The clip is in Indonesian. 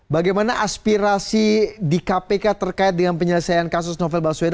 bagaimana aspirasi di kpk terkait dengan penyelesaian kasus novel baswedan